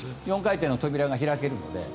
４回転の扉が開けるので。